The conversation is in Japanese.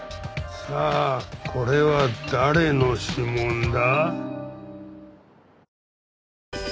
さあこれは誰の指紋だ？